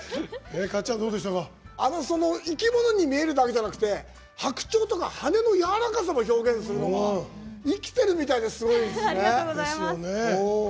生き物に見えるだけじゃなくて白鳥とか羽のやわらかさも表現するのは生きてるみたいですごいですね。